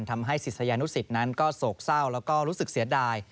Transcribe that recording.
ศิษยานุสิตนั้นก็โศกเศร้าแล้วก็รู้สึกเสียดาย